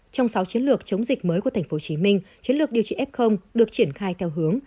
trong sáu chiến lược chống dịch mới của tp hcm chiến lược điều trị f được triển khai theo hướng